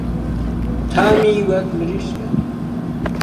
تامی وەک مریشکە.